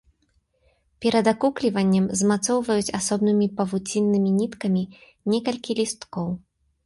Перад акукліваннем змацоўваюць асобнымі павуціннымі ніткамі некалькі лісткоў.